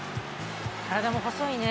体も細いね。